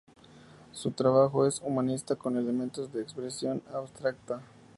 Su trabajo es humanista con elementos de expresión abstracta.